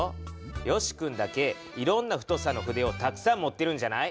よし君だけいろんな太さの筆をたくさん持ってるんじゃない？